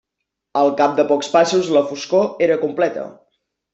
Al cap de pocs passos la foscor era completa.